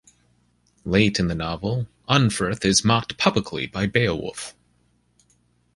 Late in the novel, Unferth is mocked publicly by Beowulf.